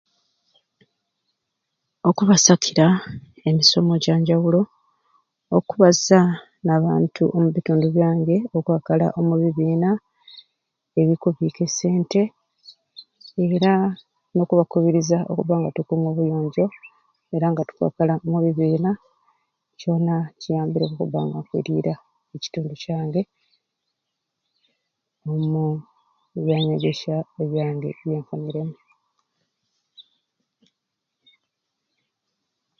Okubasakira emisomo egyanjawulo, okubaza n'abantu omubitundu byange okwakaala omubibiina ebikubiika e sente era n'okubakuburiza okubba nga tukuume obuyonjo era nga tukwakala mu bibiina kyoona kiyambireku okubba nga nkwiriirya ekitundu Kyange omu ebyanyegesya byange byenfuniremu